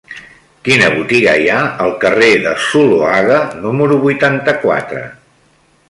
Quina botiga hi ha al carrer de Zuloaga número vuitanta-quatre?